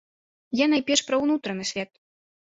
Я найперш пра ўнутраны свет.